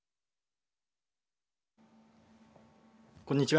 こんにちは。